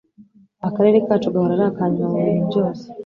Akarere kacu gahora ari akanyuma mubintu byose